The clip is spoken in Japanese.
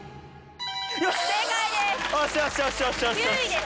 正解です。